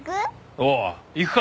おう行くか！